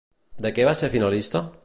De què va ser finalista?